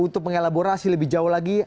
untuk mengelaborasi lebih jauh lagi